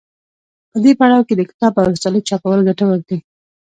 په دې پړاو کې د کتاب او رسالې چاپول ګټور دي.